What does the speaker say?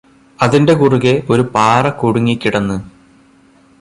അതിന്റെ കുറുകെ ഒരു പാറ കുടുങ്ങിക്കിടന്ന്